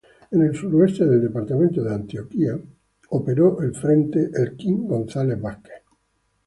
En el suroriente del departamento de Antioquia operó el frente "Elkin González Vásquez".